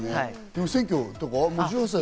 でも選挙とかは？